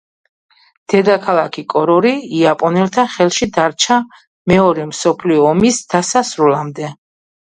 დედაქალაქი კორორი იაპონელთა ხელში დარჩა მეორე მსოფლიო ომის დასასრულამდე.